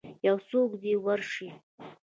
یوڅوک دی ورشئ